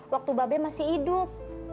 waktu babek masih hidup